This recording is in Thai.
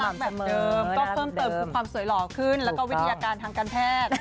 แบบเดิมก็เพิ่มเติมคือความสวยหล่อขึ้นแล้วก็วิทยาการทางการแพทย์